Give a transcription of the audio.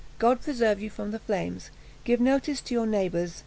God preserve you from the flames! Give notice to your neighbours.